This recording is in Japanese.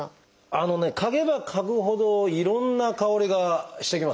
あのね嗅げば嗅ぐほどいろんな香りがしてきますね。